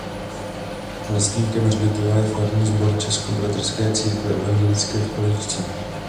Vlastníkem hřbitova je Farní sbor Českobratrské církve evangelické v Poličce.